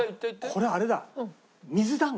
これあれだ。